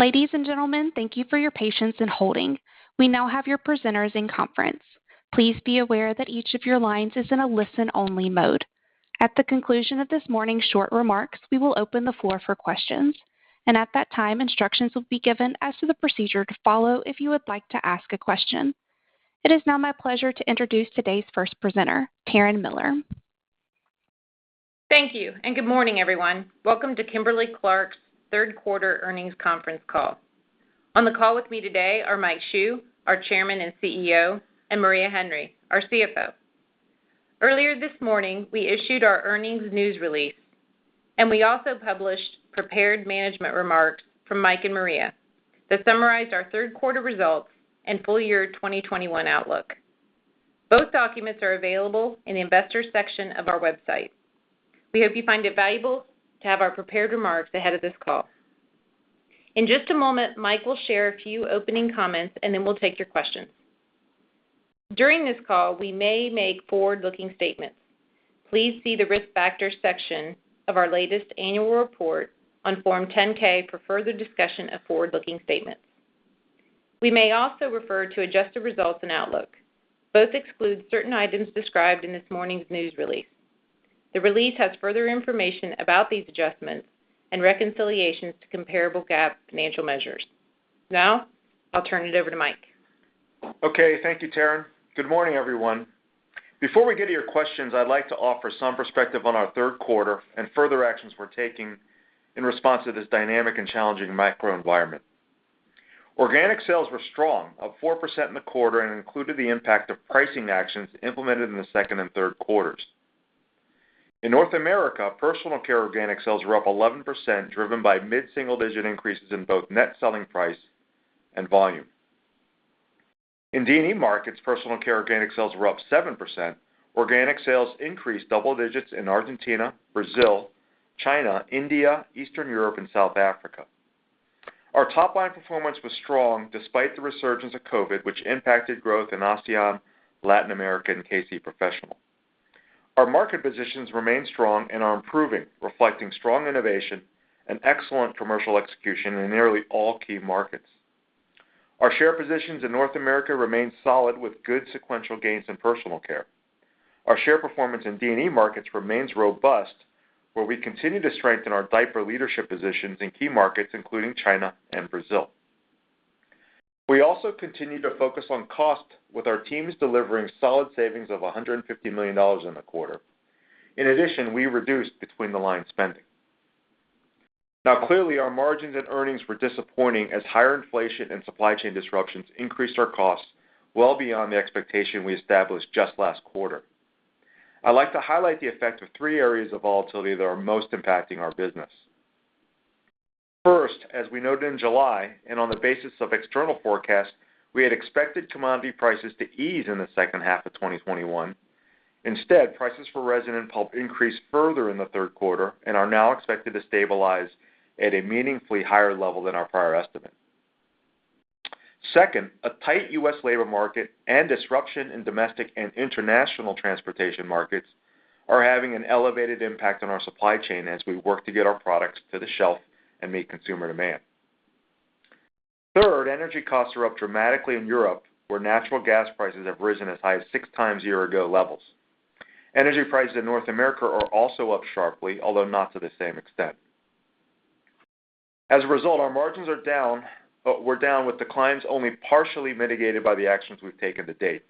Ladies and gentlemen, thank you for your patience in holding. We now have your presenters in conference. Please be aware that each of your lines is in a listen-only mode. At the conclusion of this morning's short remarks, we will open the floor for questions, and at that time, instructions will be given as to the procedure to follow if you would like to ask a question. It is now my pleasure to introduce today's first presenter, Taryn Miller. Thank you. Good morning, everyone. Welcome to Kimberly-Clark's third quarter earnings conference call. On the call with me today are Mike Hsu, our Chairman and CEO, and Maria Henry, our CFO. Earlier this morning, we issued our earnings news release, and we also published prepared management remarks from Mike and Maria that summarized our third quarter results and full year 2021 outlook. Both documents are available in the investors section of our website. We hope you find it valuable to have our prepared remarks ahead of this call. In just a moment, Mike will share a few opening comments, and then we'll take your questions. During this call, we may make forward-looking statements. Please see the Risk Factors section of our latest annual report on Form 10-K for further discussion of forward-looking statements. We may also refer to adjusted results and outlook. Both exclude certain items described in this morning's news release. The release has further information about these adjustments and reconciliations to comparable GAAP financial measures. I'll turn it over to Mike. Okay, thank you, Taryn. Good morning, everyone. Before we get to your questions, I'd like to offer some perspective on our third quarter and further actions we're taking in response to this dynamic and challenging macro environment. Organic sales were strong, up 4% in the quarter, and included the impact of pricing actions implemented in the second and third quarters. In North America, personal care organic sales were up 11%, driven by mid-single-digit increases in both net selling price and volume. In D&E markets, personal care organic sales were up 7%. Organic sales increased double digits in Argentina, Brazil, China, India, Eastern Europe, and South Africa. Our top-line performance was strong despite the resurgence of COVID, which impacted growth in ASEAN, Latin America, and Kimberly-Clark Professional. Our market positions remain strong and are improving, reflecting strong innovation and excellent commercial execution in nearly all key markets. Our share positions in North America remain solid with good sequential gains in personal care. Our share performance in D&E markets remains robust, where we continue to strengthen our diaper leadership positions in key markets, including China and Brazil. We also continue to focus on cost, with our teams delivering solid savings of $150 million in the quarter. In addition, we reduced between-the-line spending. Clearly, our margins and earnings were disappointing as higher inflation and supply chain disruptions increased our costs well beyond the expectation we established just last quarter. I'd like to highlight the effect of three areas of volatility that are most impacting our business. First, as we noted in July and on the basis of external forecasts, we had expected commodity prices to ease in the 2nd half of 2021. Instead, prices for resin and pulp increased further in the third quarter and are now expected to stabilize at a meaningfully higher level than our prior estimate. 2nd, a tight U.S. labor market and disruption in domestic and international transportation markets are having an elevated impact on our supply chain as we work to get our products to the shelf and meet consumer demand. Third, energy costs are up dramatically in Europe, where natural gas prices have risen as high as six times year-ago levels. Energy prices in North America are also up sharply, although not to the same extent. As a result, our margins are down, with declines only partially mitigated by the actions we've taken to date.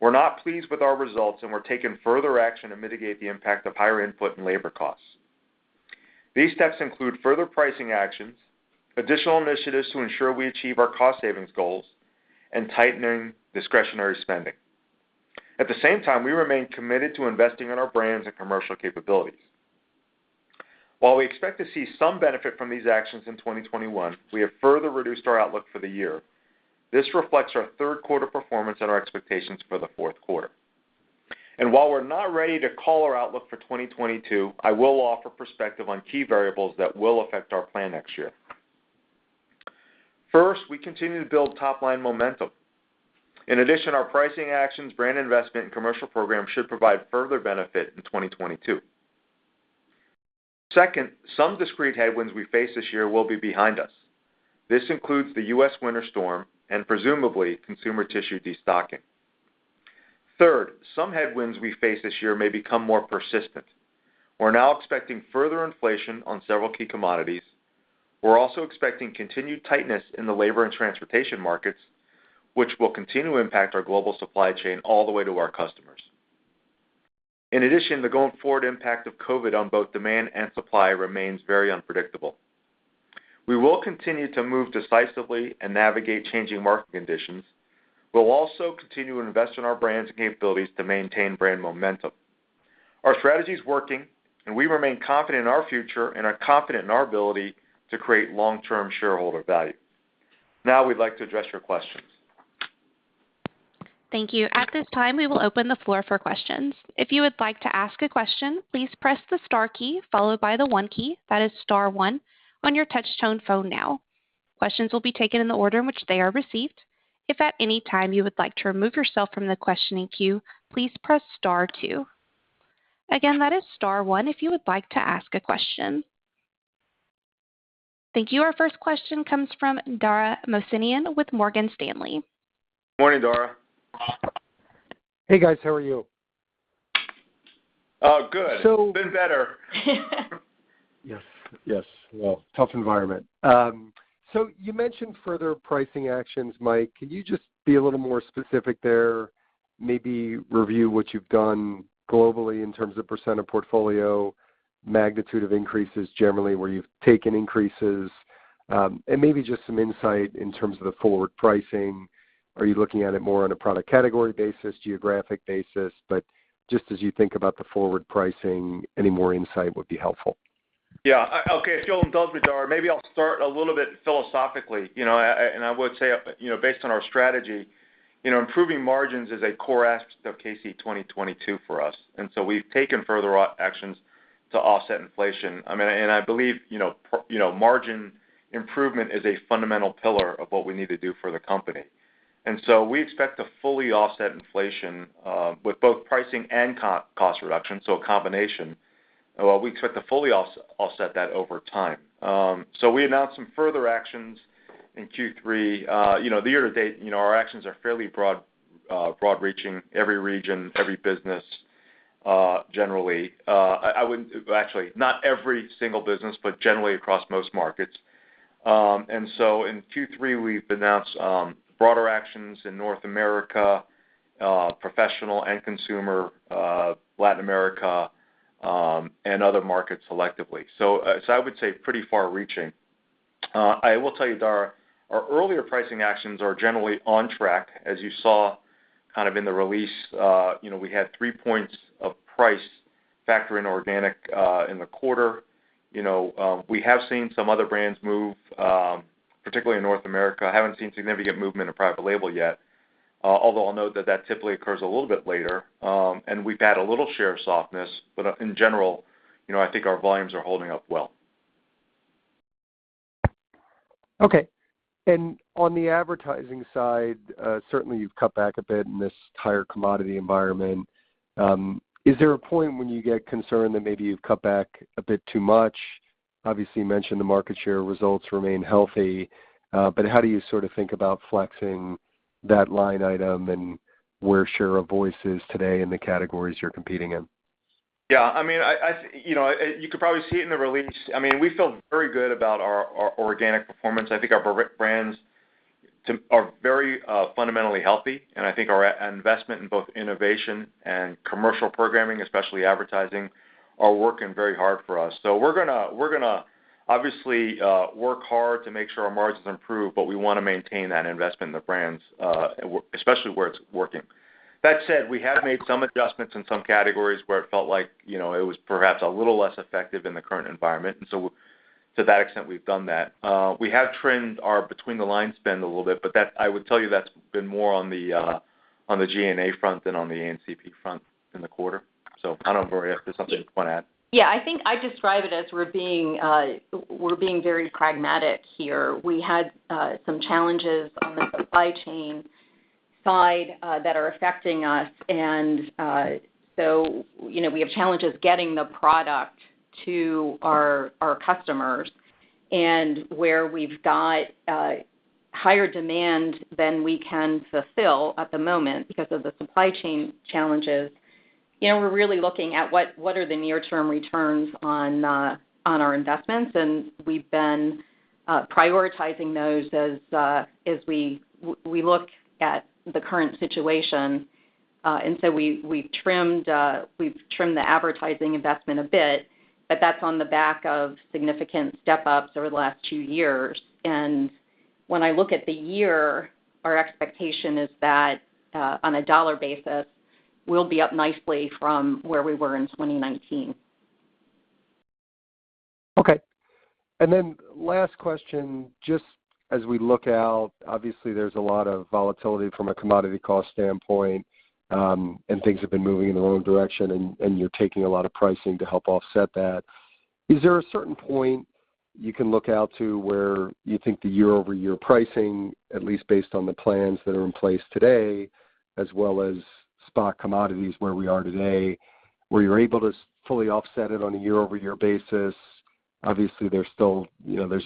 We're not pleased with our results, and we're taking further action to mitigate the impact of higher input and labor costs. These steps include further pricing actions, additional initiatives to ensure we achieve our cost savings goals, and tightening discretionary spending. At the same time, we remain committed to investing in our brands and commercial capabilities. While we expect to see some benefit from these actions in 2021, we have further reduced our outlook for the year. This reflects our third quarter performance and our expectations for the fourth quarter. While we're not ready to call our outlook for 2022, I will offer perspective on key variables that will affect our plan next year. First, we continue to build top-line momentum. In addition, our pricing actions, brand investment, and commercial program should provide further benefit in 2022. 2nd, some discrete headwinds we face this year will be behind us. This includes the U.S. winter storm and presumably consumer tissue destocking. Third, some headwinds we face this year may become more persistent. We're now expecting further inflation on several key commodities. We're also expecting continued tightness in the labor and transportation markets, which will continue to impact our global supply chain all the way to our customers. In addition, the going-forward impact of COVID on both demand and supply remains very unpredictable. We will continue to move decisively and navigate changing market conditions. We'll also continue to invest in our brands and capabilities to maintain brand momentum. Our strategy is working, and we remain confident in our future and are confident in our ability to create long-term shareholder value. Now we'd like to address your questions. Thank you. At this time, we will open the floor for questions. If you would like to ask a question, please press the star key followed by the one key, that is star one, on your touch-tone phone now. Questions will be taken in the order in which they are received. If at any time you would like to remove yourself from the questioning queue, please press star two. Again, that is star one if you would like to ask a question. Thank you. Our first question comes from Dara Mohsenian with Morgan Stanley. Morning, Dara. Hey, guys. How are you? Oh, good. So- Been better. Yes. Well, tough environment. You mentioned further pricing actions, Mike. Can you just be a little more specific there, maybe review what you've done globally in terms of percent of portfolio, magnitude of increases, generally, where you've taken increases, and maybe just some insight in terms of the forward pricing. Are you looking at it more on a product category basis, geographic basis? Just as you think about the forward pricing, any more insight would be helpful. Yeah. Okay. If you'll indulge me, Dara, maybe I'll start a little bit philosophically. I would say, based on our strategy, improving margins is a core aspect of Sustainability 2022 for us. We've taken further actions to offset inflation. I believe, margin improvement is a fundamental pillar of what we need to do for the company. We expect to fully offset inflation, with both pricing and cost reduction, so a combination, we expect to fully offset that over time. We announced some further actions in Q3. Year-to-date, our actions are fairly broad reaching, every region, every business, generally. Actually, not every single business, but generally across most markets. In Q3, we've announced broader actions in North America, professional and consumer, Latin America, and other markets selectively. I would say pretty far reaching. I will tell you, Dara, our earlier pricing actions are generally on track. As you saw in the release, we had 3 points of price factor in organic in the quarter. We have seen some other brands move, particularly in North America. Haven't seen significant movement in private label yet, although I'll note that that typically occurs a little bit later. We've had a little share of softness, but in general, I think our volumes are holding up well. Okay. On the advertising side, certainly you've cut back a bit in this higher commodity environment. Is there a point when you get concerned that maybe you've cut back a bit too much? Obviously, you mentioned the market share results remain healthy. How do you think about flexing that line item and where share of voice is today in the categories you're competing in? Yeah. You could probably see it in the release. We feel very good about our organic performance. I think our brands are very fundamentally healthy, and I think our investment in both innovation and commercial programming, especially advertising, are working very hard for us. We're going to obviously work hard to make sure our margins improve, but we want to maintain that investment in the brands, especially where it's working. That said, we have made some adjustments in some categories where it felt like it was perhaps a little less effective in the current environment. To that extent, we've done that. We have trimmed our between-the-line spend a little bit, but I would tell you that's been more on the G&A front than on the A&CP front in the quarter. I don't know, Maria, if there's something you want to add. I think I describe it as we're being very pragmatic here. We had some challenges on the supply chain side that are affecting us, and so we have challenges getting the product to our customers. Where we've got higher demand than we can fulfill at the moment because of the supply chain challenges, we're really looking at what are the near-term returns on our investments, and we've been prioritizing those as we look at the current situation. We've trimmed the advertising investment a bit, but that's on the back of significant step-ups over the last two years. When I look at the year, our expectation is that, on a dollar basis, we'll be up nicely from where we were in 2019. Okay. Then last question, just as we look out, obviously there's a lot of volatility from a commodity cost standpoint, and things have been moving in the wrong direction, and you're taking a lot of pricing to help offset that. Is there a certain point you can look out to where you think the year-over-year pricing, at least based on the plans that are in place today, as well as spot commodities where we are today, where you're able to fully offset it on a year-over-year basis? Obviously, there's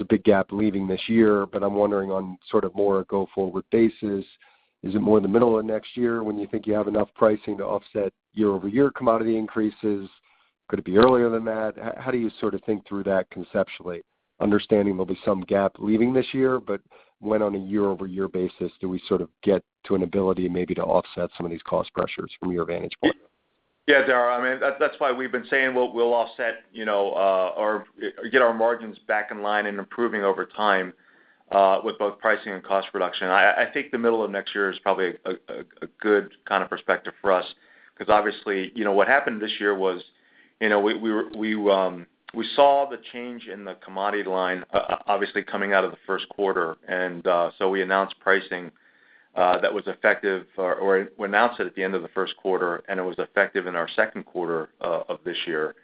a big gap leaving this year. I'm wondering on more go-forward basis, is it more in the middle of next year when you think you have enough pricing to offset year-over-year commodity increases? Could it be earlier than that? How do you think through that conceptually, understanding there'll be some gap leaving this year, but when on a year-over-year basis do we get to an ability maybe to offset some of these cost pressures from your vantage point? Yeah, Dara. That's why we've been saying we'll get our margins back in line and improving over time, with both pricing and cost reduction. I think the middle of next year is probably a good perspective for us because obviously, what happened this year was we saw the change in the commodity line, obviously coming out of the first quarter. We announced pricing that was effective, or we announced it at the end of the first quarter, and it was effective in our second quarter of this year.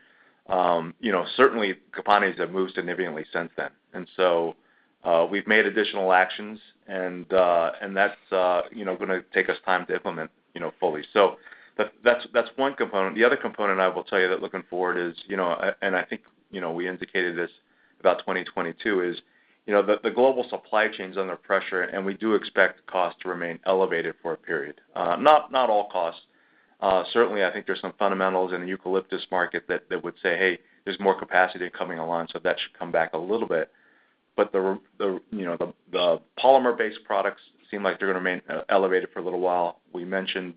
Certainly, commodities have moved significantly since then. We've made additional actions, and that's going to take us time to implement fully. That's one component. The other component I will tell you that looking forward is, and I think we indicated this about 2022, is the global supply chain's under pressure, and we do expect costs to remain elevated for a period. Not all costs. Certainly, I think there's some fundamentals in the eucalyptus market that would say, "Hey, there's more capacity coming along, so that should come back a little bit." The polymer-based products seem like they're going to remain elevated for a little while. We mentioned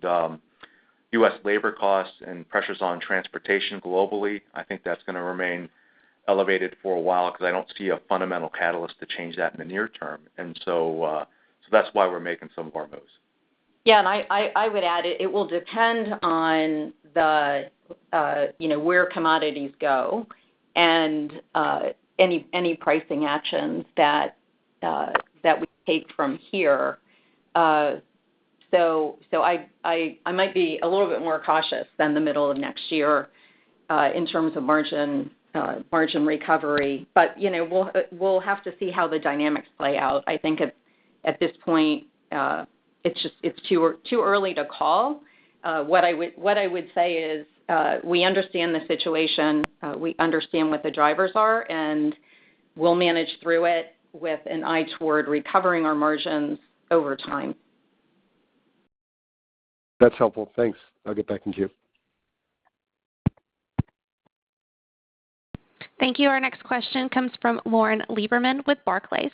U.S. labor costs and pressures on transportation globally. I think that's going to remain elevated for a while because I don't see a fundamental catalyst to change that in the near term. That's why we're making some of our moves. I would add, it will depend on where commodities go and any pricing actions that we take from here. I might be a little bit more cautious than the middle of next year in terms of margin recovery. We'll have to see how the dynamics play out. I think at this point, it's too early to call. What I would say is we understand the situation, we understand what the drivers are, and we'll manage through it with an eye toward recovering our margins over time. That's helpful. Thanks. I'll get back in queue. Thank you. Our next question comes from Lauren Lieberman with Barclays.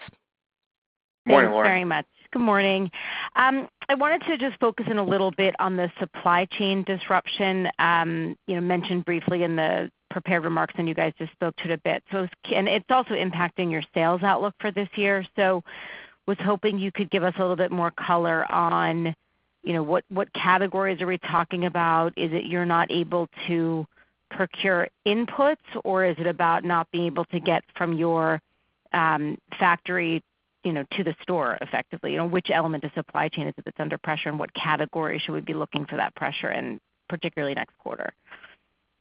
Morning, Lauren. Thanks very much. Good morning. I wanted to just focus in a little bit on the supply chain disruption. Mentioned briefly in the prepared remarks, you guys just spoke to it a bit. It's also impacting your sales outlook for this year. Was hoping you could give us a little bit more color on what categories are we talking about? Is it you're not able to procure inputs, or is it about not being able to get from your factory to the store effectively? Which element of supply chain is it that's under pressure, and what category should we be looking for that pressure in, particularly next quarter?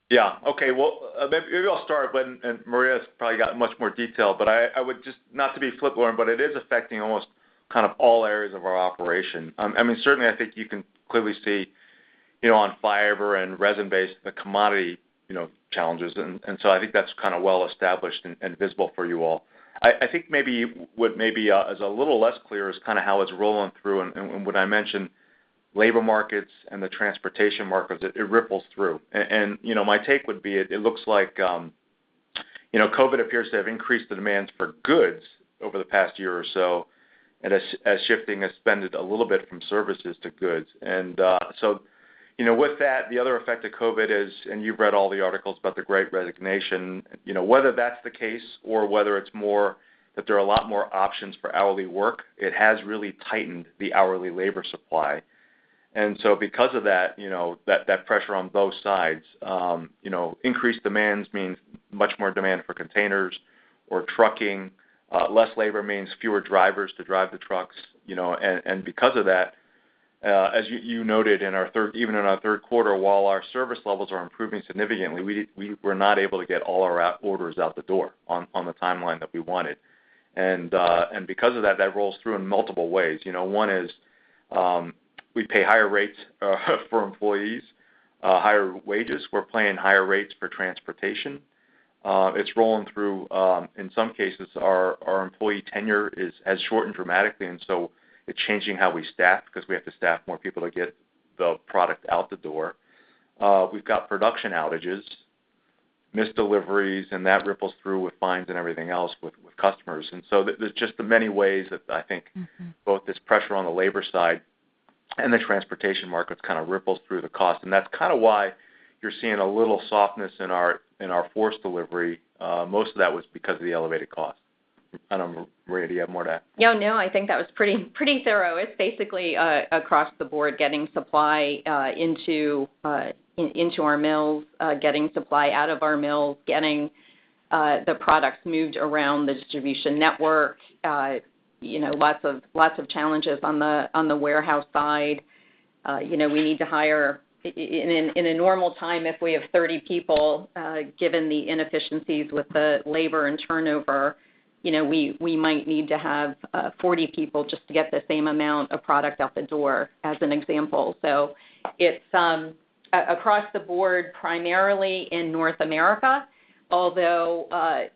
Yeah. Okay. Well, maybe I'll start, and Maria's probably got much more detail. I would just, not to be flip, Lauren, but it is affecting almost kind of all areas of our operation. Certainly, I think you can clearly see on fiber and resin-based, the commodity challenges, I think that's kind of well-established and visible for you all. I think what maybe is a little less clear is kind of how it's rolling through and what I mentioned, labor markets and the transportation markets, it ripples through. My take would be, it looks like COVID appears to have increased the demands for goods over the past year or so, and shifting has spended a little bit from services to goods. With that, the other effect of COVID is, and you've read all the articles about the great resignation. Whether that's the case or whether it's more that there are a lot more options for hourly work, it has really tightened the hourly labor supply. Because of that pressure on both sides, increased demands means much more demand for containers or trucking. Less labor means fewer drivers to drive the trucks. Because of that, as you noted, even in our third quarter, while our service levels are improving significantly, we were not able to get all our orders out the door on the timeline that we wanted. Because of that rolls through in multiple ways. One is we pay higher rates for employees, higher wages. We're paying higher rates for transportation. It's rolling through, in some cases, our employee tenure has shortened dramatically, and so it's changing how we staff because we have to staff more people to get the product out the door. We've got production outages, missed deliveries, that ripples through with fines and everything else with customers. There's just the many ways that I think both this pressure on the labor side and the transportation markets kind of ripples through the cost. That's kind of why you're seeing a little softness in our FORCE delivery. Most of that was because of the elevated cost. I don't know, Maria, do you have more to add? No, I think that was pretty thorough. It's basically across the board, getting supply into our mills, getting supply out of our mills, getting the products moved around the distribution network. Lots of challenges on the warehouse side. We need to hire. In a normal time, if we have 30 people, given the inefficiencies with the labor and turnover, we might need to have 40 people just to get the same amount of product out the door, as an example. It's across the board, primarily in North America. Although,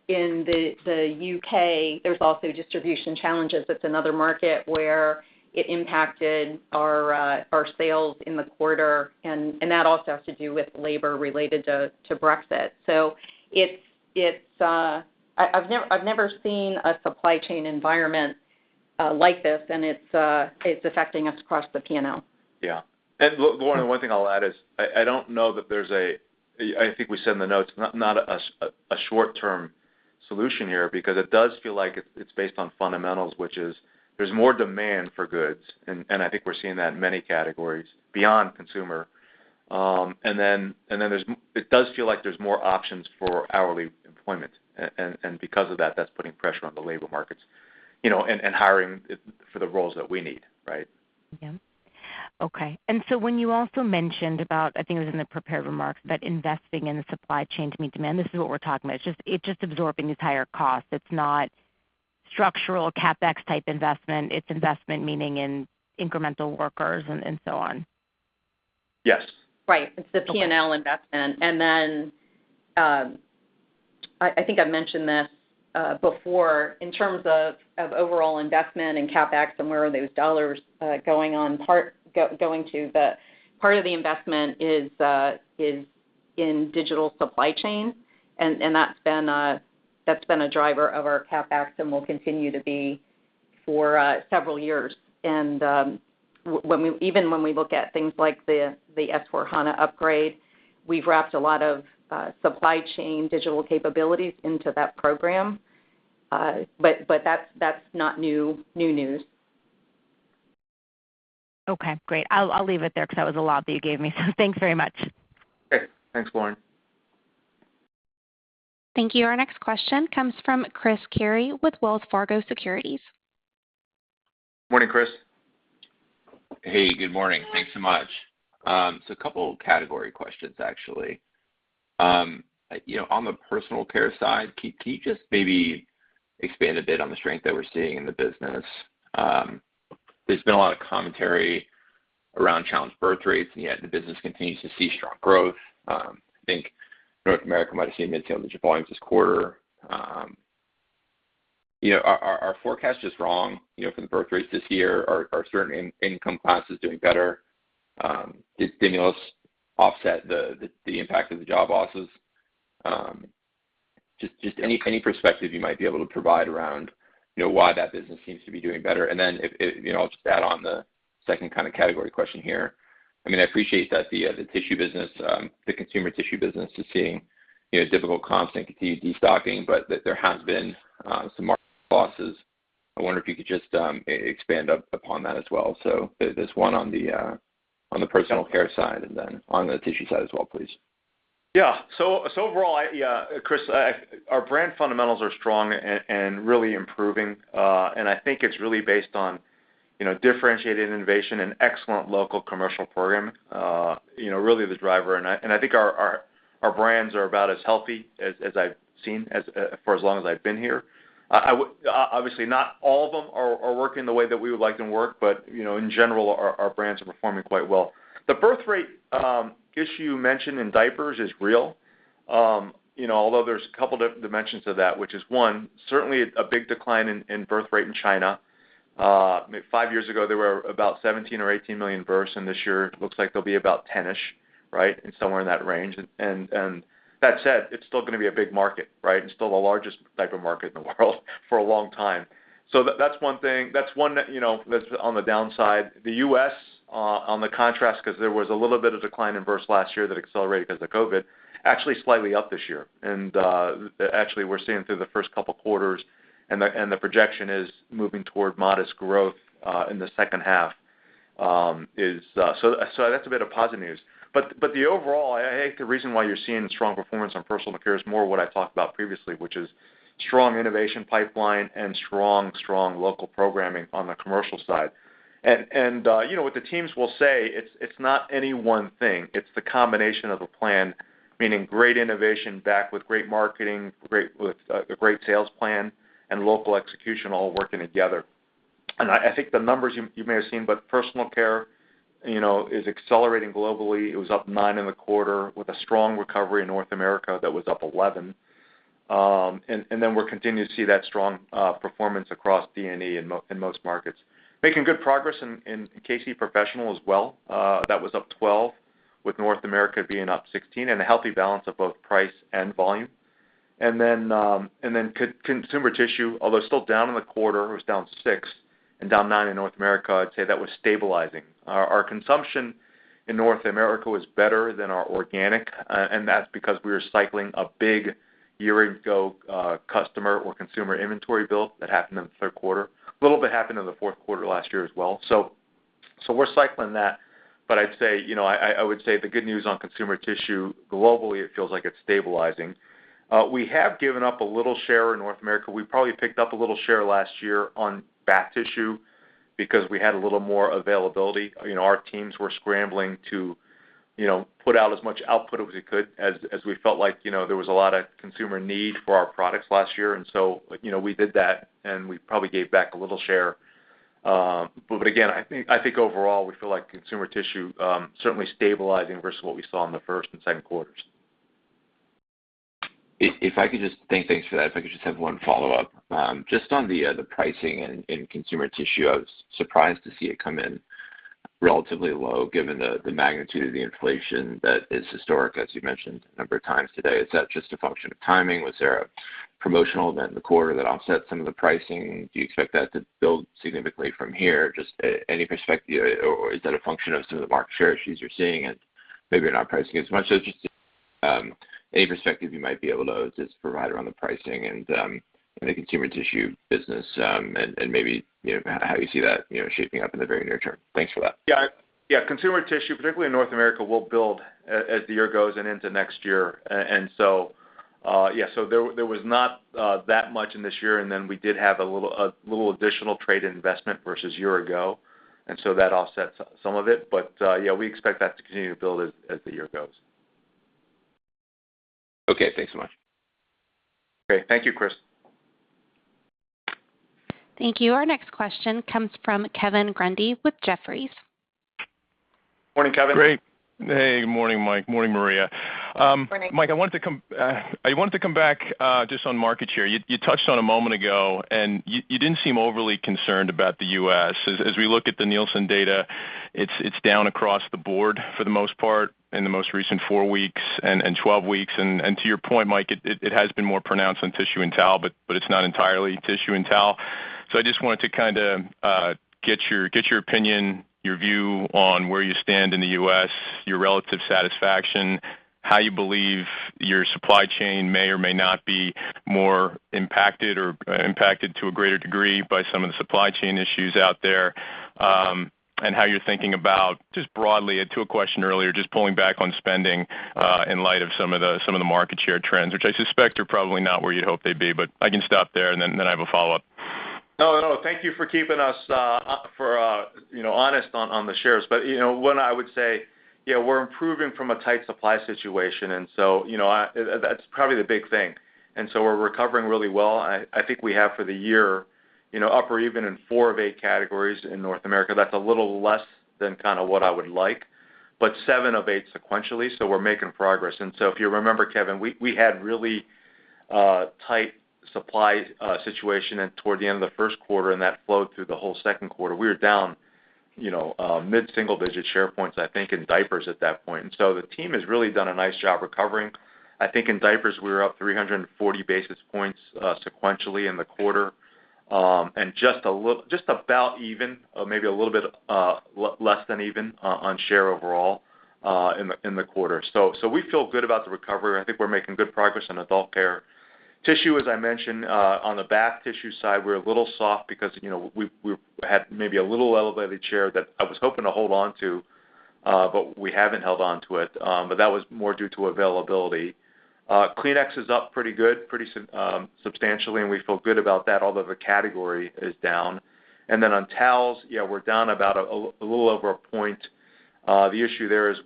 in the U.K., there's also distribution challenges. That's another market where it impacted our sales in the quarter, and that also has to do with labor related to Brexit. I've never seen a supply chain environment like this, and it's affecting us across the P&L. Yeah. Lauren, the one thing I'll add is, I don't know that there's, I think we said in the notes, not a short-term solution here because it does feel like it's based on fundamentals, which is there's more demand for goods, and I think we're seeing that in many categories beyond consumer. Then it does feel like there's more options for hourly employment. Because of that's putting pressure on the labor markets, and hiring for the roles that we need, right? Yeah. Okay. When you also mentioned about, I think it was in the prepared remarks, that investing in the supply chain to meet demand, this is what we're talking about. It's just absorbing these higher costs. It's not structural CapEx type investment. It's investment, meaning in incremental workers and so on. Yes. Right. It's the P&L investment. I think I've mentioned this, before in terms of overall investment and CapEx and where are those dollars going to, but part of the investment is in digital supply chain. That's been a driver of our CapEx and will continue to be for several years. Even when we look at things like the S/4HANA upgrade, we've wrapped a lot of supply chain digital capabilities into that program. That's not new news. Okay, great. I'll leave it there because that was a lot that you gave me. Thanks very much. Okay. Thanks, Lauren. Thank you. Our next question comes from Chris Carey with Wells Fargo Securities. Morning, Chris. Hey, good morning. Thanks so much. A couple category questions, actually. On the personal care side, can you just maybe expand a bit on the strength that we're seeing in the business? There's been a lot of commentary around challenged birthrates, and yet the business continues to see strong growth. I think North America might've seen mid-teens volume this quarter. Are our forecasts just wrong for the birthrates this year? Are certain income classes doing better? Did stimulus offset the impact of the job losses? Just any perspective you might be able to provide around why that business seems to be doing better. I'll just add on the 2nd kind of category question here. I appreciate that the consumer tissue business is seeing difficult comps and continued destocking, but there has been some market losses. I wonder if you could just expand upon that as well. There's one on the personal care side and then on the tissue side as well, please. Yeah. Overall, Chris, our brand fundamentals are strong and really improving. I think it's really based on differentiated innovation and excellent local commercial program, really the driver. I think our brands are about as healthy as I've seen for as long as I've been here. Obviously, not all of them are working the way that we would like them to work, but, in general, our brands are performing quite well. The birthrate issue you mentioned in diapers is real. Although there's a couple dimensions to that, which is one, certainly a big decline in birthrate in China. Five years ago, there were about 17 million or 18 million births, and this year, looks like there'll be about 10-ish. Somewhere in that range. That said, it's still going to be a big market. It's still the largest diaper market in the world for a long time. That's one that's on the downside. The U.S., on the contrast, because there was a little bit of decline in births last year that accelerated because of COVID, actually slightly up this year. Actually, we're seeing through the first couple quarters, and the projection is moving toward modest growth in the 2nd half. That's a bit of positive news. The overall, I think the reason why you're seeing strong performance on personal care is more what I talked about previously, which is strong innovation pipeline and strong local programming on the commercial side. What the teams will say, it's not any one thing, it's the combination of a plan, meaning great innovation backed with great marketing, with a great sales plan, and local execution all working together. I think the numbers you may have seen, but personal care is accelerating globally. It was up nine in the quarter with a strong recovery in North America that was up 11. We're continuing to see that strong performance across D&E in most markets. Making good progress in Kimberly-Clark Professional as well. That was up 12, with North America being up 16, and a healthy balance of both price and volume. Consumer tissue, although still down in the quarter, it was down six and down nine in North America, I'd say that was stabilizing. Our consumption in North America was better than our organic, and that's because we were cycling a big year ago customer or consumer inventory build that happened in the third quarter. A little bit happened in the fourth quarter last year as well. We're cycling that. I would say the good news on consumer tissue, globally, it feels like it's stabilizing. We have given up a little share in North America. We probably picked up a little share last year on bath tissue because we had a little more availability. Our teams were scrambling to put out as much output as we could, as we felt like there was a lot of consumer need for our products last year. We did that, and we probably gave back a little share. Again, I think overall, we feel like consumer tissue, certainly stabilizing versus what we saw in the first and second quarters. Thanks for that. If I could just have one follow-up. Just on the pricing in consumer tissue, I was surprised to see it come in relatively low given the magnitude of the inflation that is historic, as you mentioned a number of times today. Is that just a function of timing? Was there a promotional event in the quarter that offset some of the pricing? Do you expect that to build significantly from here? Just any perspective, or is that a function of some of the market share issues you're seeing and maybe you're not pricing as much? Just any perspective you might be able to provide around the pricing in the consumer tissue business, and maybe how you see that shaping up in the very near term. Thanks for that. Consumer tissue, particularly in North America, will build as the year goes and into next year. There was not that much in this year, and then we did have a little additional trade investment versus a year ago, and so that offsets some of it. We expect that to continue to build as the year goes. Okay, thanks so much. Great. Thank you, Chris. Thank you. Our next question comes from Kevin Grundy with Jefferies. Morning, Kevin. Great. Hey, good morning, Mike. Morning, Maria. Morning. Mike, I wanted to come back just on market share. You didn't seem overly concerned about the U.S. As we look at the Nielsen data, it's down across the board for the most part, in the most recent four weeks and 12 weeks. To your point, Mike, it has been more pronounced on tissue and towel, but it's not entirely tissue and towel. I just wanted to kind of get your opinion, your view on where you stand in the U.S., your relative satisfaction, how you believe your supply chain may or may not be more impacted or impacted to a greater degree by some of the supply chain issues out there, and how you're thinking about, just broadly, to a question earlier, just pulling back on spending in light of some of the market share trends, which I suspect are probably not where you'd hope they'd be. I can stop there, and then I have a follow-up. Thank you for keeping us honest on the shares. What I would say, we're improving from a tight supply situation. That's probably the big thing. We're recovering really well. I think we have for the year, up or even in four of eight categories in North America. That's a little less than kind of what I would like. Seven of eight sequentially, we're making progress. If you remember, Kevin, we had really tight supply situation toward the end of the first quarter, and that flowed through the whole second quarter. We were down mid-single digit share points, I think, in diapers at that point. The team has really done a nice job recovering. I think in diapers, we were up 340 basis points sequentially in the quarter, and just about even, maybe a little bit less than even, on share overall in the quarter. We feel good about the recovery. I think we're making good progress on adult care. Tissue, as I mentioned, on the bath tissue side, we're a little soft because we had maybe a little elevated share that I was hoping to hold on to, but we haven't held on to it. That was more due to availability. Kleenex is up pretty good, pretty substantially, and we feel good about that, although the category is down. On towels, yeah, we're down about a little over 1 point. The issue there is,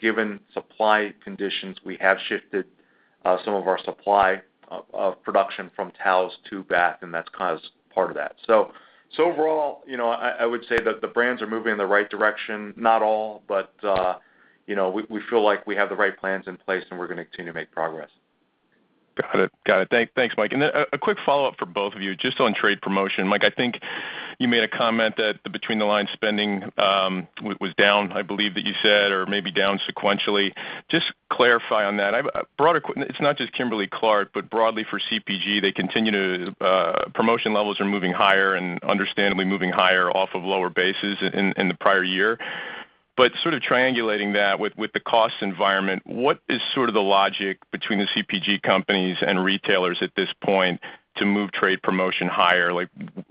given supply conditions, we have shifted some of our supply of production from towels to bath, and that's caused part of that. Overall, I would say that the brands are moving in the right direction, not all, but we feel like we have the right plans in place and we're going to continue to make progress. Got it. Thanks, Mike. A quick follow-up for both of you, just on trade promotion. Mike, I think you made a comment that the between the line spending was down, I believe that you said, or maybe down sequentially. Just clarify on that. It's not just Kimberly-Clark, but broadly for CPG, promotion levels are moving higher and understandably moving higher off of lower bases in the prior year. Sort of triangulating that with the cost environment, what is sort of the logic between the CPG companies and retailers at this point to move trade promotion higher?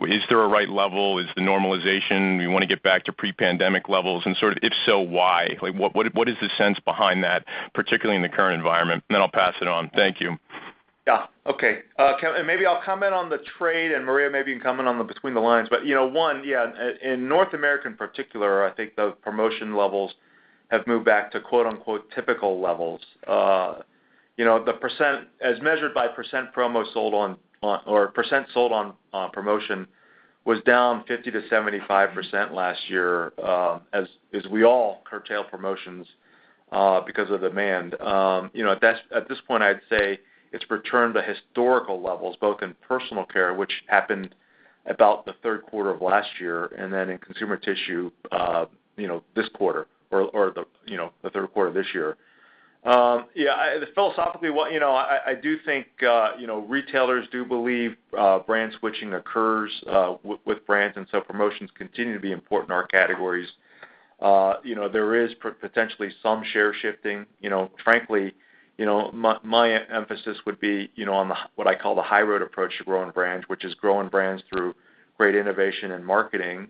Is there a right level? Is the normalization, we want to get back to pre-pandemic levels? Sort of if so, why? What is the sense behind that, particularly in the current environment? I'll pass it on. Thank you. Yeah. Okay. Kevin, maybe I'll comment on the trade, and Maria, maybe you can comment on the between the lines. One, yeah, in North America in particular, I think the promotion levels have moved back to quote unquote "typical levels." As measured by percent promo sold on or percent sold on promotion was down 50% to 75% last year, as we all curtail promotions because of demand. At this point, I'd say it's returned to historical levels, both in personal care, which happened about the 3rd quarter of last year, and then in consumer tissue, this quarter or the 3rd quarter of this year. Philosophically, I do think retailers do believe brand switching occurs with brands, promotions continue to be important in our categories. There is potentially some share shifting. Frankly, my emphasis would be on what I call the high road approach to growing brands, which is growing brands through great innovation and marketing,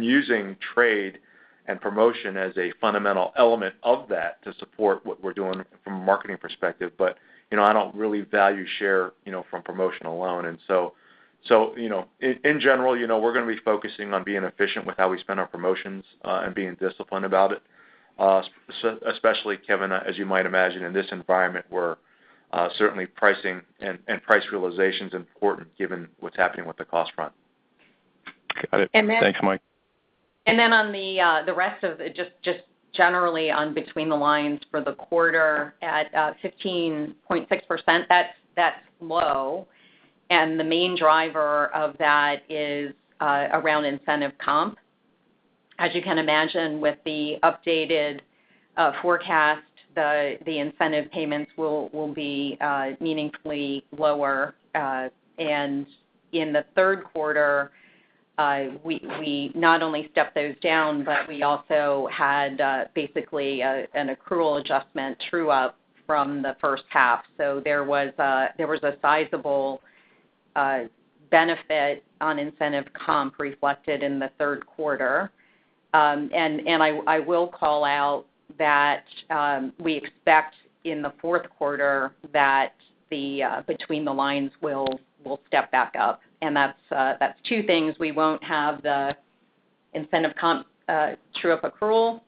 using trade and promotion as a fundamental element of that to support what we're doing from a marketing perspective. I don't really value share from promotion alone. In general, we're going to be focusing on being efficient with how we spend our promotions and being disciplined about it, especially, Kevin, as you might imagine, in this environment where certainly pricing and price realization is important given what's happening with the cost front. Got it. Thanks, Mike. On the rest of it, just generally on between the lines for the quarter at 15.6%, that's low. The main driver of that is around incentive comp. As you can imagine, with the updated forecast, the incentive payments will be meaningfully lower. In the third quarter, we not only stepped those down, but we also had basically an accrual adjustment true up from the 1st half. There was a sizable benefit on incentive comp reflected in the third quarter. I will call out that we expect in the fourth quarter that between the lines will step back up. That's two things. We won't have the incentive comp true-up accrual,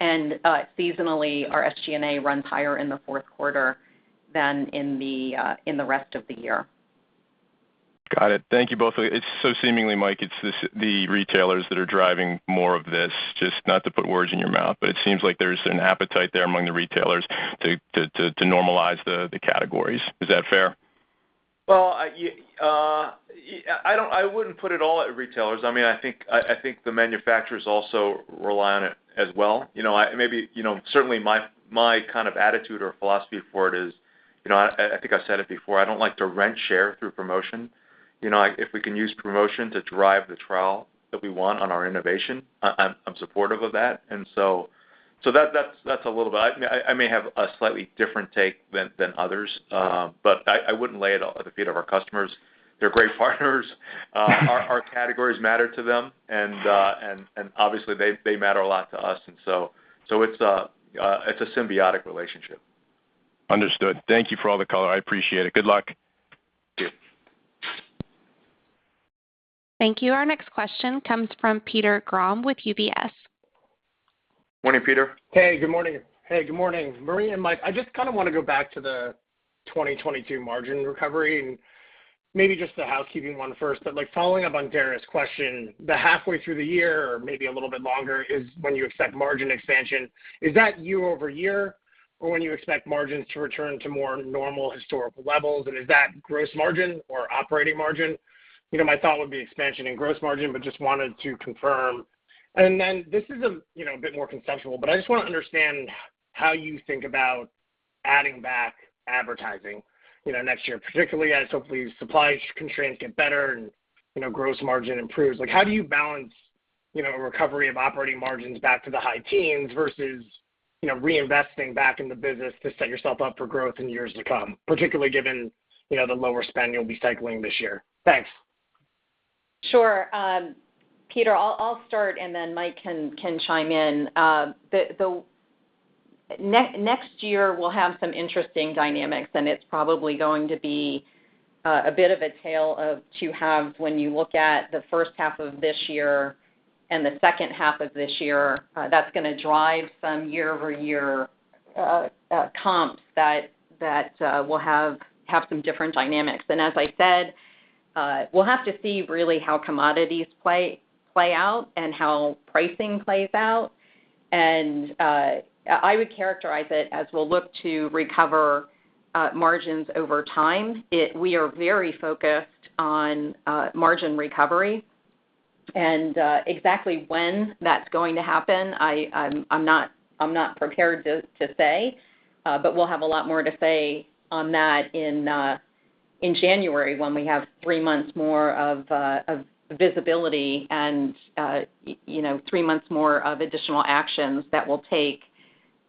and seasonally, our SG&A runs higher in the fourth quarter than in the rest of the year. Got it. Thank you both. Seemingly, Mike, it's the retailers that are driving more of this. Just not to put words in your mouth, but it seems like there's an appetite there among the retailers to normalize the categories. Is that fair? I wouldn't put it all at retailers. I think the manufacturers also rely on it as well. Certainly my kind of attitude or philosophy for it is, I think I've said it before, I don't like to rent share through promotion. If we can use promotion to drive the trial that we want on our innovation, I'm supportive of that. That's a little bit. I may have a slightly different take than others. Sure. I wouldn't lay it all at the feet of our customers. They're great partners. Our categories matter to them, and obviously, they matter a lot to us. It's a symbiotic relationship. Understood. Thank you for all the color. I appreciate it. Good luck. Thank you. Thank you. Our next question comes from Peter Grom with UBS. Morning, Peter. Hey, good morning. Maria and Mike, I just kind of want to go back to the 2022 margin recovery, and maybe just a housekeeping one first. Following up on Dara's question, the halfway through the year or maybe a little bit longer is when you expect margin expansion. Is that year-over-year, or when you expect margins to return to more normal historical levels? Is that gross margin or operating margin? My thought would be expansion in gross margin, but just wanted to confirm. Then this is a bit more conceptual, but I just want to understand how you think about adding back advertising next year, particularly as hopefully supply constraints get better and gross margin improves. How do you balance a recovery of operating margins back to the high teens versus reinvesting back in the business to set yourself up for growth in years to come, particularly given the lower spend you'll be cycling this year? Thanks. Sure. Peter, I'll start and then Mike can chime in. Next year we'll have some interesting dynamics, and it's probably going to be a bit of a tale of two halves when you look at the 1st half of this year and the 2nd half of this year. That's going to drive some year-over-year comps that will have some different dynamics. As I said, we'll have to see really how commodities play out and how pricing plays out. I would characterize it as we'll look to recover margins over time. We are very focused on margin recovery, and exactly when that's going to happen, I'm not prepared to say. We'll have a lot more to say on that in January when we have three months more of visibility and three months more of additional actions that we'll take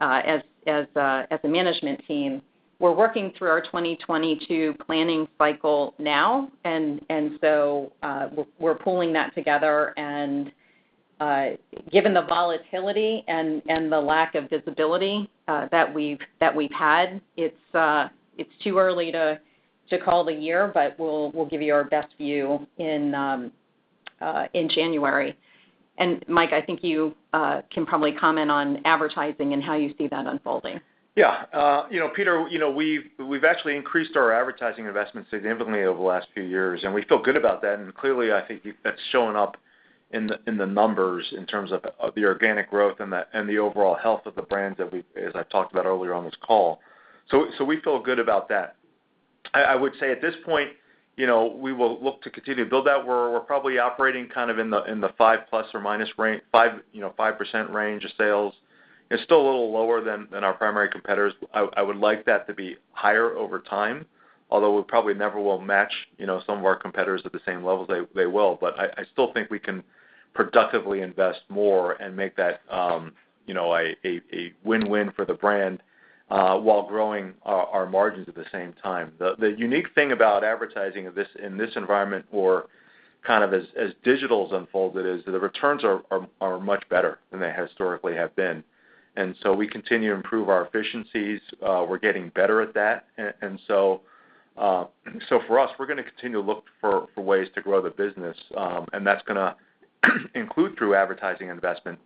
as a management team. We're working through our 2022 planning cycle now, and so we're pulling that together. Given the volatility and the lack of visibility that we've had, it's too early to call the year, but we'll give you our best view in January. Mike, I think you can probably comment on advertising and how you see that unfolding. Peter, we've actually increased our advertising investments significantly over the last few years. We feel good about that. Clearly, I think that's shown up in the numbers in terms of the organic growth and the overall health of the brands as I've talked about earlier on this call. We feel good about that. I would say at this point, we will look to continue to build that. We're probably operating kind of in the 5± range, 5% range of sales. It's still a little lower than our primary competitors. I would like that to be higher over time, although we probably never will match some of our competitors at the same level they will. I still think we can productively invest more and make that a win-win for the brand while growing our margins at the same time. The unique thing about advertising in this environment, or kind of as digital's unfolded, is that the returns are much better than they historically have been. We continue to improve our efficiencies. We're getting better at that. For us, we're going to continue to look for ways to grow the business. That's going to include through advertising investment.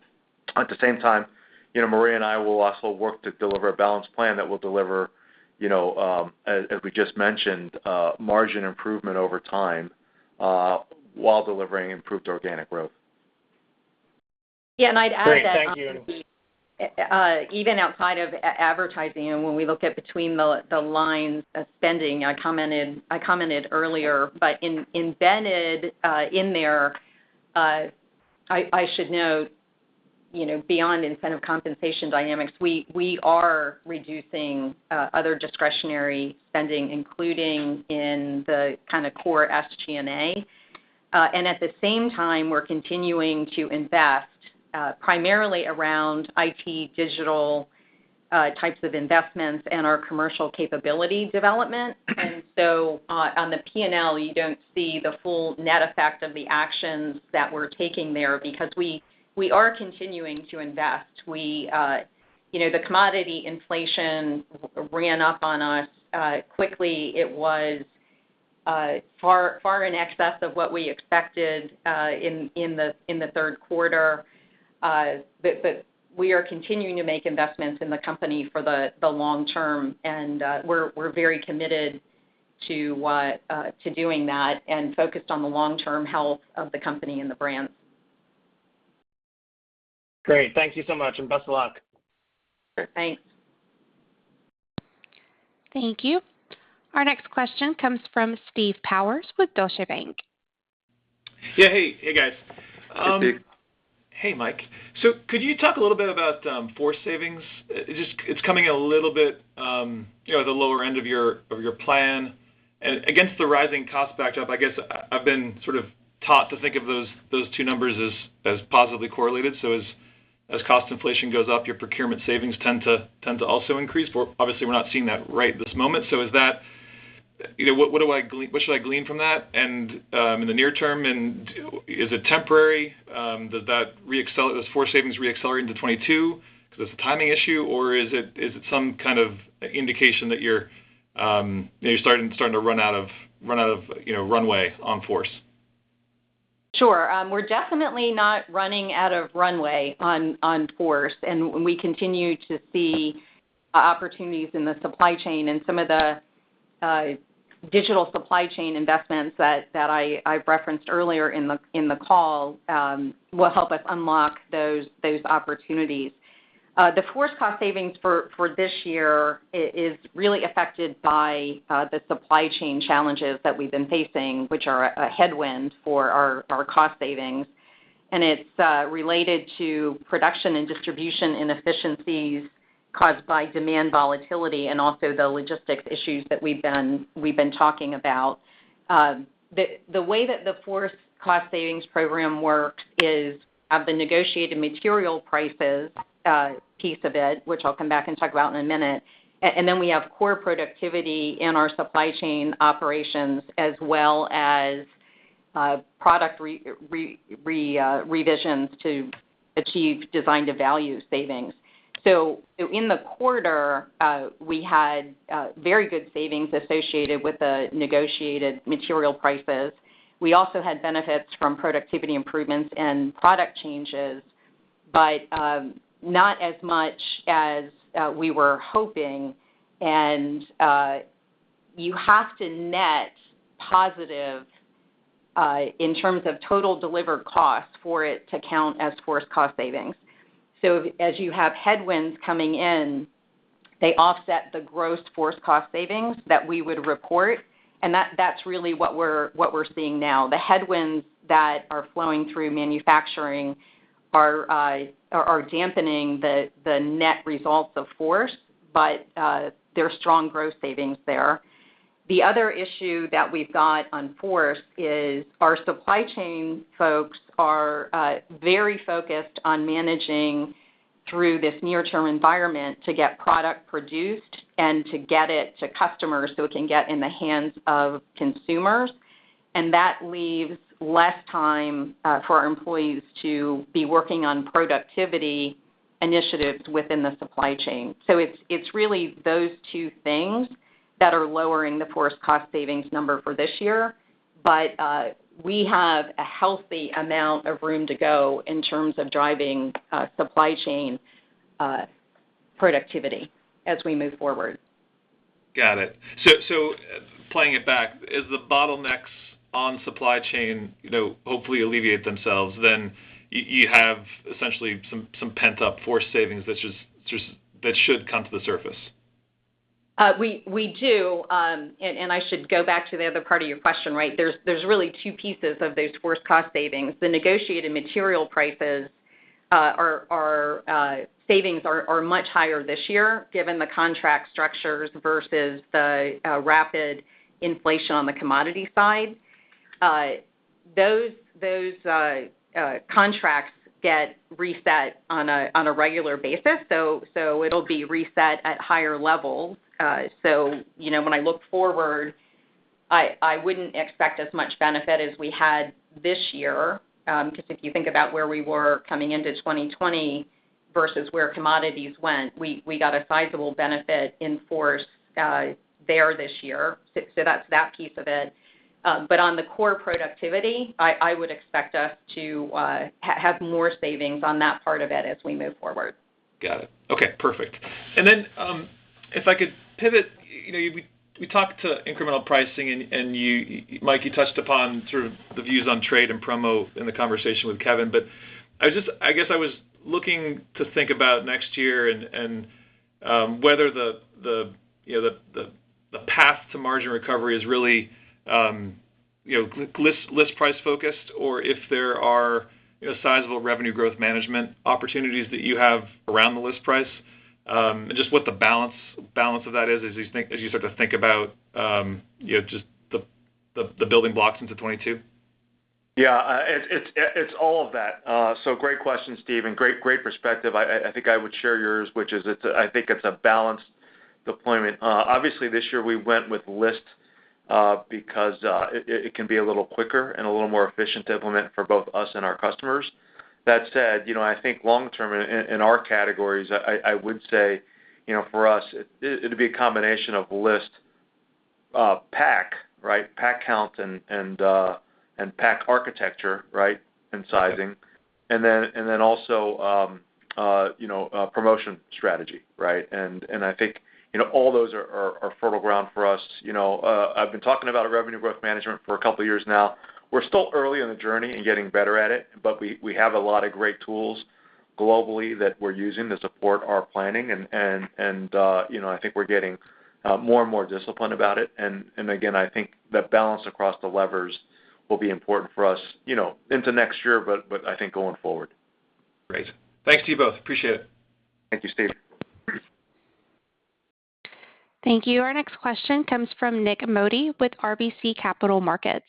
At the same time, Maria and I will also work to deliver a balanced plan that will deliver, as we just mentioned, margin improvement over time while delivering improved organic growth. Great. Thank you. I'd add that even outside of advertising and when we look at between the lines of spending, I commented earlier, but embedded in there, I should note, beyond incentive compensation dynamics, we are reducing other discretionary spending, including in the kind of core SG&A. At the same time, we're continuing to invest primarily around IT, digital types of investments, and our commercial capability development. On the P&L, you don't see the full net effect of the actions that we're taking there because we are continuing to invest. The commodity inflation ran up on us quickly. It was far in excess of what we expected in the third quarter. We are continuing to make investments in the company for the long term, and we're very committed to doing that and focused on the long-term health of the company and the brands. Great. Thank you so much, and best of luck. Sure. Thanks. Thank you. Our next question comes from Steve Powers with Deutsche Bank. Yeah. Hey, guys. Hey, Steve. Hey, Mike. Could you talk a little bit about FORCE savings? It's coming a little bit the lower end of your plan. Against the rising cost backdrop, I guess I've been sort of taught to think of those two numbers as positively correlated. As cost inflation goes up, your procurement savings tend to also increase. Obviously, we're not seeing that right this moment. What should I glean from that in the near term, and is it temporary? Does FORCE savings re-accelerate into 2022 because it's a timing issue, or is it some kind of indication that you're starting to run out of runway on FORCE? Sure. We're definitely not running out of runway on FORCE, and we continue to see opportunities in the supply chain and some of the digital supply chain investments that I referenced earlier in the call will help us unlock those opportunities. The FORCE cost savings for this year is really affected by the supply chain challenges that we've been facing, which are a headwind for our cost savings, and it's related to production and distribution inefficiencies caused by demand volatility and also the logistics issues that we've been talking about. The way that the FORCE cost savings program works is of the negotiated material prices piece of it, which I'll come back and talk about in a minute, and then we have core productivity in our supply chain operations as well as product revisions to achieve design-to-value savings. In the quarter, we had very good savings associated with the negotiated material prices. We also had benefits from productivity improvements and product changes, but not as much as we were hoping. You have to net positive in terms of total delivered cost for it to count as FORCE cost savings. As you have headwinds coming in, they offset the gross FORCE cost savings that we would report, and that's really what we're seeing now. The headwinds that are flowing through manufacturing are dampening the net results of FORCE, but there are strong growth savings there. The other issue that we've got on FORCE is our supply chain folks are very focused on managing through this near-term environment to get product produced and to get it to customers so it can get in the hands of consumers. That leaves less time for our employees to be working on productivity initiatives within the supply chain. It's really those two things that are lowering the FORCE cost savings number for this year. We have a healthy amount of room to go in terms of driving supply chain productivity as we move forward. Got it. Playing it back, as the bottlenecks on supply chain hopefully alleviate themselves, you have essentially some pent-up FORCE savings that should come to the surface. We do, and I should go back to the other part of your question. There's really two pieces of those FORCE cost savings. The negotiated material prices savings are much higher this year, given the contract structures versus the rapid inflation on the commodity side. Those contracts get reset on a regular basis, so it'll be reset at higher levels. When I look forward, I wouldn't expect as much benefit as we had this year. Because if you think about where we were coming into 2020 versus where commodities went, we got a sizable benefit in FORCE there this year. That's that piece of it. On the core productivity, I would expect us to have more savings on that part of it as we move forward. Got it. Okay, perfect. Then if I could pivot, we talked to incremental pricing, and Mike, you touched upon sort of the views on trade and promo in the conversation with Kevin. I guess I was looking to think about next year and whether the path to margin recovery is really list price focused or if there are sizable revenue growth management opportunities that you have around the list price. Just what the balance of that is as you start to think about just the building blocks into 2022. It's all of that. Great question, Steve, and great perspective. I think I would share yours, which is, I think it's a balanced deployment. Obviously, this year we went with list because it can be a little quicker and a little more efficient to implement for both us and our customers. That said, I think long term in our categories, I would say for us, it'd be a combination of list pack. Pack count and pack architecture, and sizing. Then also, promotion strategy. I think all those are fertile ground for us. I've been talking about a revenue growth management for a couple of years now. We're still early in the journey and getting better at it, but we have a lot of great tools globally that we're using to support our planning, and I think we're getting more and more disciplined about it. I think the balance across the levers will be important for us into next year, but I think going forward. Great. Thanks to you both. Appreciate it. Thank you, Steve. Thank you. Our next question comes from Nik Modi with RBC Capital Markets.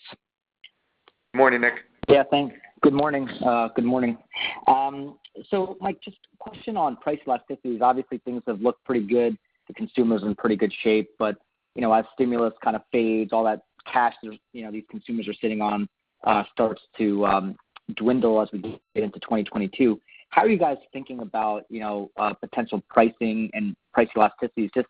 Morning, Nik. Thanks. Good morning. Mike, just a question on price elasticity is obviously things have looked pretty good. The consumer's in pretty good shape, but as stimulus kind of fades, all that cash these consumers are sitting on starts to dwindle as we get into 2022. How are you guys thinking about potential pricing and price elasticities? Just,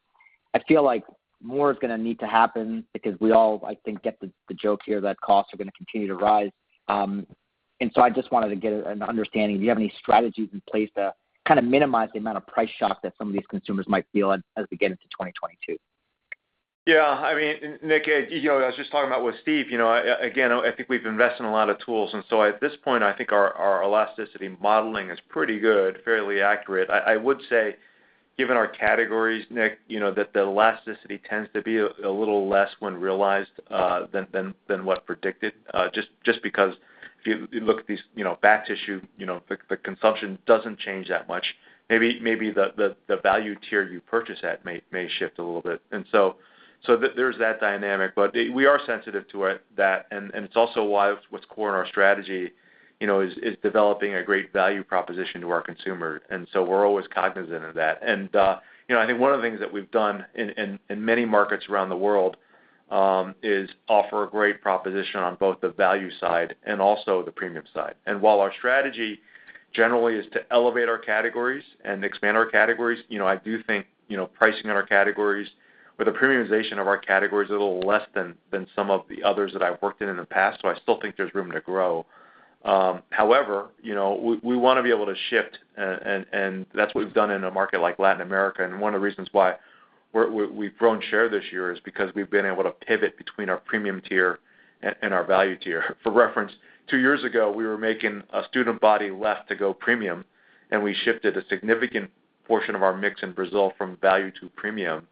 I feel like more is going to need to happen because we all, I think, get the joke here that costs are going to continue to rise. I just wanted to get an understanding. Do you have any strategies in place to kind of minimize the amount of price shock that some of these consumers might feel as we get into 2022? Nik, I was just talking about with Steve, again, I think we've invested in a lot of tools, and so at this point, I think our elasticity modeling is pretty good, fairly accurate. I would say given our categories, Nik, that the elasticity tends to be a little less when realized than what predicted, just because if you look at these, bath tissue, the consumption doesn't change that much. Maybe the value tier you purchase at may shift a little bit. There's that dynamic, but we are sensitive to that, and it's also why what's core in our strategy is developing a great value proposition to our consumer. We're always cognizant of that. I think one of the things that we've done in many markets around the world, is offer a great proposition on both the value side and also the premium side. While our strategy generally is to elevate our categories and expand our categories, I do think pricing on our categories or the premiumization of our categories is a little less than some of the others that I've worked in in the past. I still think there's room to grow. However, we want to be able to shift, and that's what we've done in a market like Latin America. One of the reasons why we've grown share this year is because we've been able to pivot between our premium tier and our value tier. For reference, two years ago, we were making a student body left to go premium, and we shifted a significant portion of our mix in Brazil from value to premium.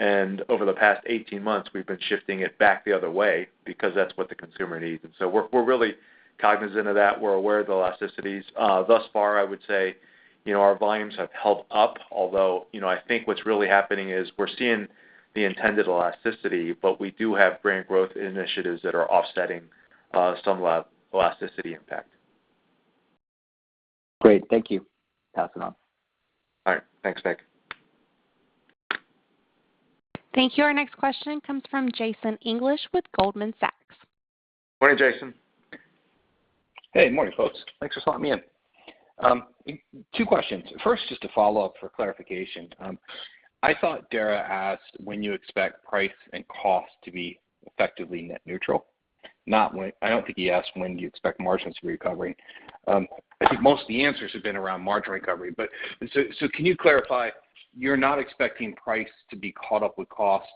Over the past 18 months, we've been shifting it back the other way because that's what the consumer needs. We're really cognizant of that. We're aware of the elasticities. Thus far I would say our volumes have held up. Although, I think what's really happening is we're seeing the intended elasticity, but we do have brand growth initiatives that are offsetting some elasticity impact. Great. Thank you. Pass it on. All right. Thanks, Nik. Thank you. Our next question comes from Jason English with Goldman Sachs. Morning, Jason. Hey, morning folks. Thanks for slotting me in. Two questions. First, just a follow-up for clarification. I thought Dara asked when you expect price and cost to be effectively net neutral, not when. I don't think he asked when do you expect margins to be recovering. I think most of the answers have been around margin recovery, but can you clarify, you're not expecting price to be caught up with costs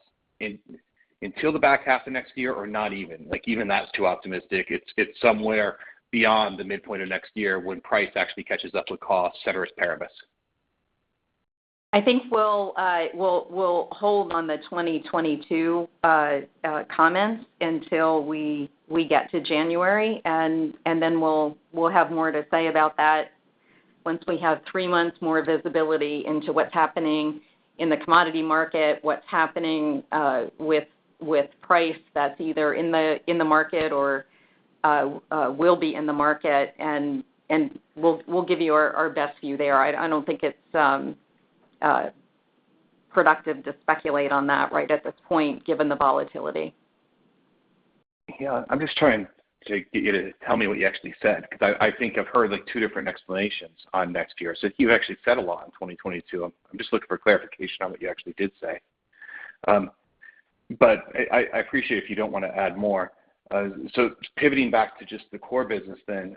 until the back half of next year or not even? Like even that's too optimistic. It's somewhere beyond the midpoint of next year when price actually catches up with cost, ceteris paribus. I think we'll hold on the 2022 comments until we get to January, then we'll have more to say about that once we have three months more visibility into what's happening in the commodity market, what's happening with price that's either in the market or will be in the market, and we'll give you our best view there. I don't think it's productive to speculate on that right at this point, given the volatility. Yeah. I'm just trying to get you to tell me what you actually said, because I think I've heard like two different explanations on next year. You actually said a lot on 2022. I'm just looking for clarification on what you actually did say. I appreciate if you don't want to add more. Pivoting back to just the core business then,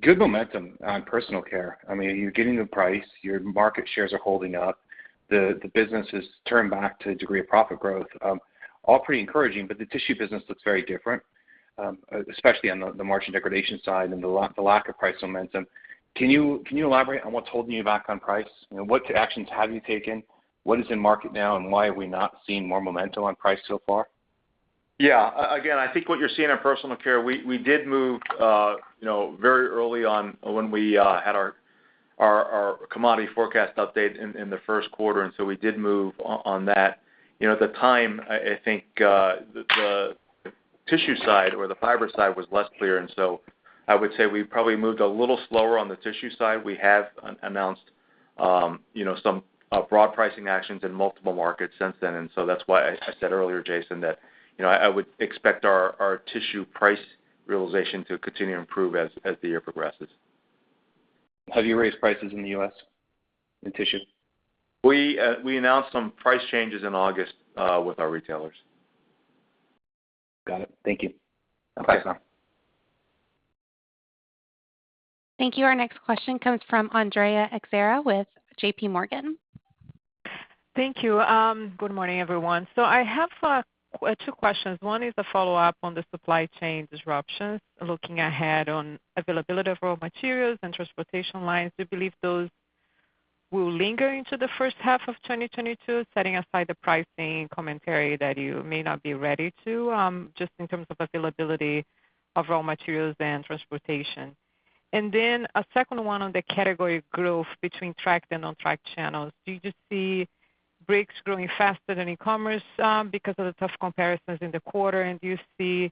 good momentum on personal care. You're getting the price. Your market shares are holding up. The business has turned back to a degree of profit growth. All pretty encouraging, but the tissue business looks very different, especially on the margin degradation side and the lack of price momentum. Can you elaborate on what's holding you back on price? What actions have you taken? What is in market now, and why have we not seen more momentum on price so far? Again, I think what you're seeing in personal care, we did move very early on when we had our commodity forecast update in the first quarter, we did move on that. At the time, I think, the tissue side or the fiber side was less clear, I would say we probably moved a little slower on the tissue side. We have announced some broad pricing actions in multiple markets since then. That's why I said earlier, Jason, that I would expect our tissue price realization to continue to improve as the year progresses. Have you raised prices in the U.S. in tissue? We announced some price changes in August with our retailers. Got it. Thank you. Okay. Bye. Thank you. Our next question comes from Andrea Teixeira with JPMorgan. Thank you. Good morning, everyone. I have two questions. One is a follow-up on the supply chain disruptions, looking ahead on availability of raw materials and transportation lines. Do you believe those will linger into the 1st half of 2022, setting aside the pricing commentary that you may not be ready to, just in terms of availability of raw materials and transportation? A 2nd one on the category growth between tracked and untracked channels. Do you just see bricks growing faster than e-commerce because of the tough comparisons in the quarter? Do you see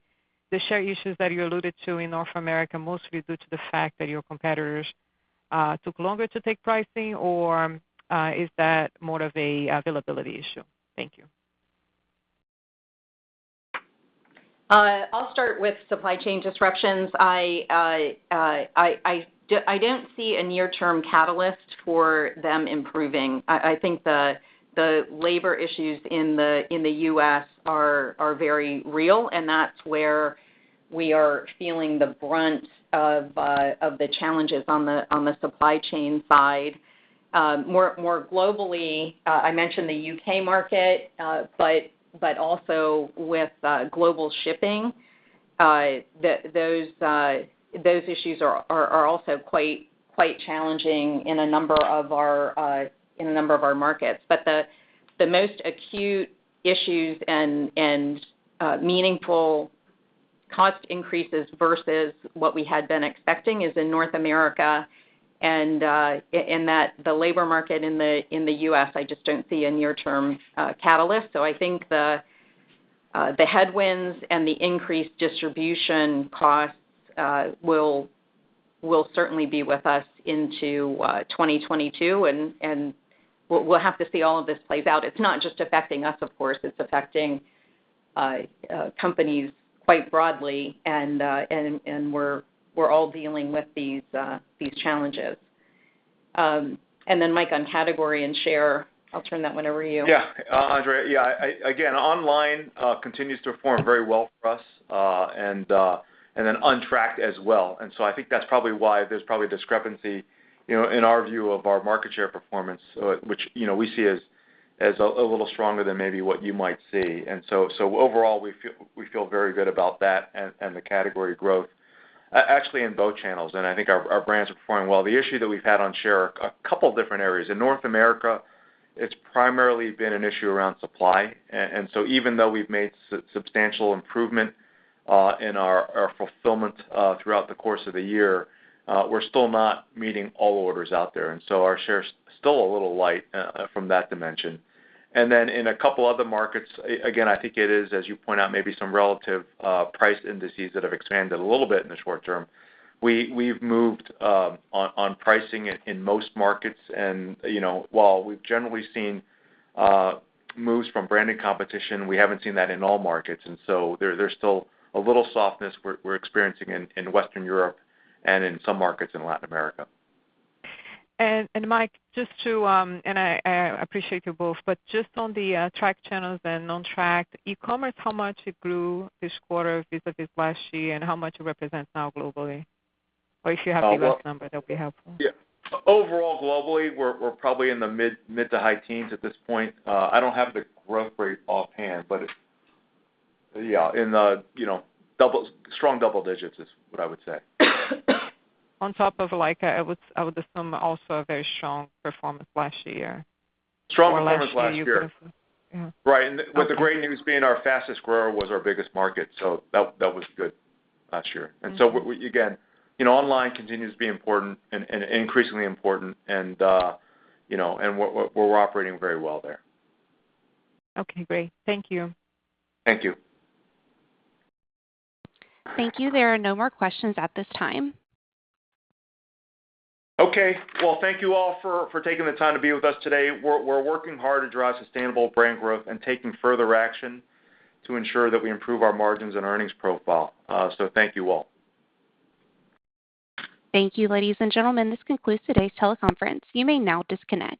the share issues that you alluded to in North America mostly due to the fact that your competitors took longer to take pricing, or is that more of a availability issue? Thank you. I'll start with supply chain disruptions. I don't see a near-term catalyst for them improving. I think the labor issues in the U.S. are very real, and that's where we are feeling the brunt of the challenges on the supply chain side. More globally, I mentioned the U.K. market, but also with global shipping, those issues are also quite challenging in a number of our markets. The most acute issues and meaningful cost increases versus what we had been expecting is in North America, and that the labor market in the U.S., I just don't see a near-term catalyst. I think the headwinds and the increased distribution costs will certainly be with us into 2022, and we'll have to see all of this plays out. It's not just affecting us, of course. It's affecting companies quite broadly, and we're all dealing with these challenges. Mike, on category and share, I'll turn that one over to you. Yeah. Andrea, again, online continues to perform very well for us, and then untracked as well. I think that's probably why there's probably discrepancy in our view of our market share performance, which we see as a little stronger than maybe what you might see. Overall, we feel very good about that and the category growth, actually in both channels, and I think our brands are performing well. The issue that we've had on share, a couple different areas. In North America, it's primarily been an issue around supply. Even though we've made substantial improvement in our fulfillment throughout the course of the year, we're still not meeting all orders out there. Our share is still a little light from that dimension. In a couple other markets, again, I think it is, as you point out, maybe some relative price indices that have expanded a little bit in the short term. We've moved on pricing in most markets, and while we've generally seen moves from branded competition, we haven't seen that in all markets. There's still a little softness we're experiencing in Western Europe and in some markets in Latin America. Mike, I appreciate you both, just on the tracked channels and untracked, e-commerce, how much it grew this quarter vis-à-vis last year, and how much it represents now globally? Or if you have the U.S. number, that'll be helpful. Yeah. Overall, globally, we're probably in the mid to high teens at this point. I don't have the growth rate offhand, but yeah, in the strong double digits is what I would say. On top of like, I would assume also a very strong performance last year. Strong performance last year. last year you could have-- Yeah. Okay. Right. With the great news being our fastest grower was our biggest market, so that was good last year. Again, online continues to be important and increasingly important, and we're operating very well there. Okay, great. Thank you. Thank you. Thank you. There are no more questions at this time. Okay. Well, thank you all for taking the time to be with us today. We're working hard to drive sustainable brand growth and taking further action to ensure that we improve our margins and earnings profile. Thank you all. Thank you, ladies and gentlemen. This concludes today's teleconference. You may now disconnect.